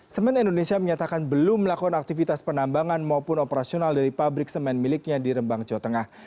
semen indonesia menyatakan belum melakukan aktivitas penambangan maupun operasional dari pabrik semen miliknya di rembang jawa tengah